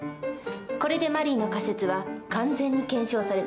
これでマリーの仮説は完全に検証されたわね。